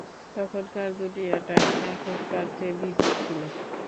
তখনকার দুনিয়াটা এখনকার চেয়ে ভিন্ন ছিল।